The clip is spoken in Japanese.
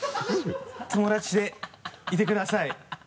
友達でいてください。